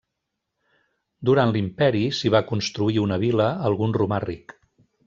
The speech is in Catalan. Durant l'imperi s'hi va construir una vila algun romà ric.